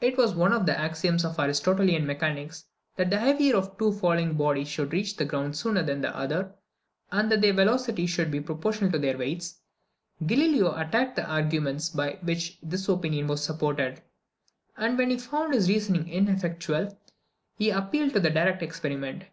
It was one of the axioms of the Aristotelian mechanics, that the heavier of two falling bodies would reach the ground sooner than the other, and that their velocities would be proportional to their weights. Galileo attacked the arguments by which this opinion was supported; and when he found his reasoning ineffectual, he appealed to direct experiment.